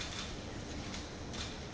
yang kita duga dia adalah